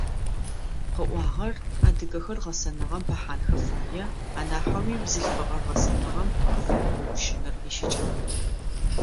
Къыӏуагъэр: адыгэхэр гъэсэныгъэм пыхьанхэ фае, анахьэуи, бзылъфыгъэр гъэсэныгъэм къыфэбгъэущыныр ищыкӏагъ.